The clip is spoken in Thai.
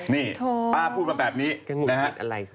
นี่ป้าพูดมาแบบนี้